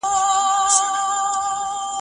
د خپه شوې معشوقې پخلاکېدل داسې شي